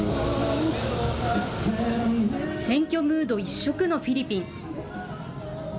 選挙ムード一色のフィリピン。